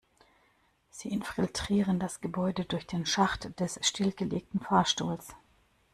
Sie infiltrieren das Gebäude durch den Schacht des stillgelegten Fahrstuhls.